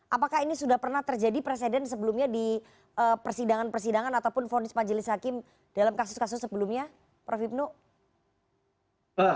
apakah ini sudah pernah terjadi presiden sebelumnya di persidangan persidangan ataupun vonis majelis hakim dalam kasus kasus sebelumnya prof hipnu